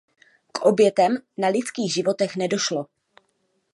K obětem na lidských životech nedošlo.